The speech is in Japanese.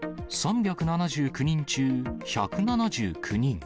３７９人中１７９人。